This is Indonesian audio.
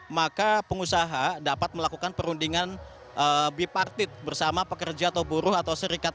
maka pengusaha dapat melakukan perundingan bipartit bersama pekerja atau buruh atau serikat